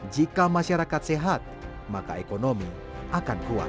jika masyarakat sehat maka ekonomi akan kuat